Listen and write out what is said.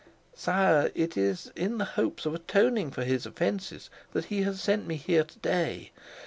"Sire, it is in the hopes of atoning for his offences that he has sent me here to day.